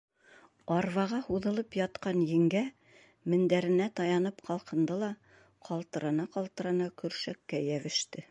Арбаға һуҙылып ятҡан еңгә мендәренә таянып ҡалҡынды ла ҡал-тырана-ҡалтырана көршәккә йәбеште.